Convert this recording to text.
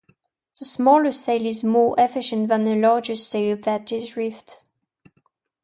The smaller sail is more efficient than a larger sail that is reefed.